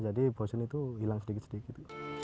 jadi bosen itu hilang sedikit sedikit